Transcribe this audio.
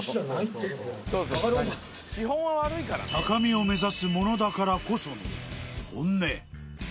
お前高みを目指す者だからこその本音